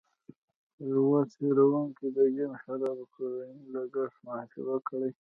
یوه څېړونکي د کیم د شرابو کلنی لګښت محاسبه کړی.